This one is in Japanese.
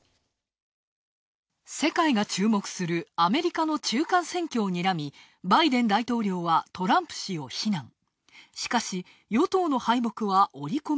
世界が注目するアメリカの中間選挙をにらみバイデン大統領はトランプ氏を非難。